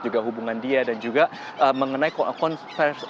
juga hubungan dia dan juga mengenai konversi